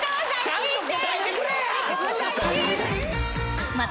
・・ちゃんと答えてくれや！